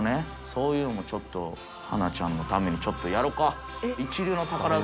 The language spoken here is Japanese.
そういうのもちょっと、英ちゃんのために、ちょっとやるか。